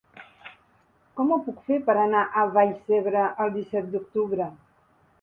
Com ho puc fer per anar a Vallcebre el disset d'octubre?